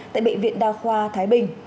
tại bệnh viện đa khoa thái bình